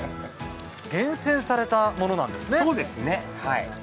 厳選されたものなんですね。